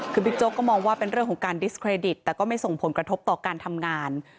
คือบิ๊กโจ๊กก็มองว่าเป็นเรื่องของการดิสเครดิตแต่ก็ไม่ส่งผลกระทบต่อการทำงาน